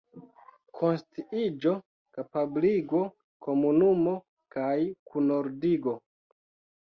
Konsciiĝo, kapabligo, komunumo kaj kunordigo.